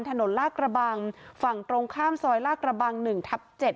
ลากระบังฝั่งตรงข้ามซอยลากระบัง๑ทับ๗